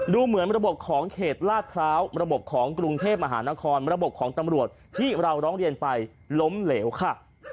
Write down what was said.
ดูเหมือนระบบของเขตลาดพร้าวระบบของกรุงเทพมหานครระบบของตำรวจที่เราร้องเรียนไปล้มเหลวค่ะ